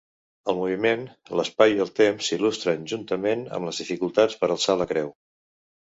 El moviment, l'espai i el temps s'il·lustren juntament amb les dificultats per alçar la creu.